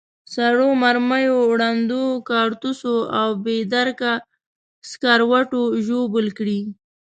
سړو مرمیو، ړندو کارتوسو او بې درکه سکروټو ژوبل کړي.